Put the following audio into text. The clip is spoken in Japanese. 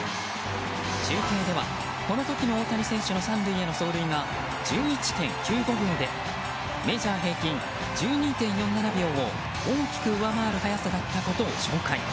中継では、この時の大谷選手の３塁への走塁が１１．９５秒でメジャー平均１２．４７秒を大きく上回る速さだったことを紹介。